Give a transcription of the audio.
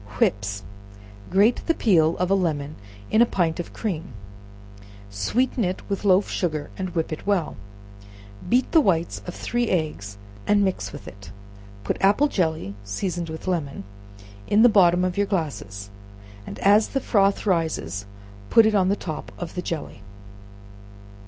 Whips. Grate the peel of a lemon in a pint of cream, sweeten it with loaf sugar, and whip it well; beat the whites of three eggs and mix with it; put apple jelly, seasoned with lemon, in the bottom of your glasses, and as the froth rises put it on the top of the jelly.